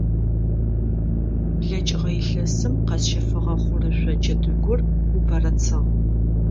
БлэкӀыгъэ илъэсым къэсщэфыгъэ хъурышъо джэдыгур упэрэцыгъ.